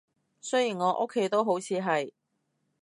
雖然我屋企都好似係